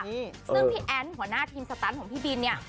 ซึ่งพี่แอ้นหัวหน้าทีมสตันของพี่บินเนี่ย